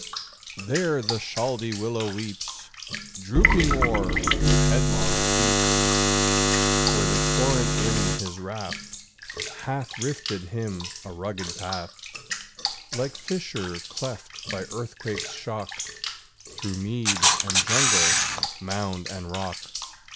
there the Chaldee willow weeps Drooping o'er the headlong steeps, Where the torrent in his wrath Hath rifted him a rugged path, Like fissure cleft by earthquake's shock, Through mead and jungle, mound and rock.